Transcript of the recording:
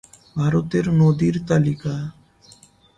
ভারতের নদীর তালিকা